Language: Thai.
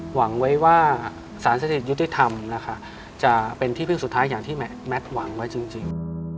หวังไว้ว่าสารเสด็จยุติธรรมนะคะจะเป็นที่พึ่งสุดท้ายอย่างที่แมทหวังไว้จริง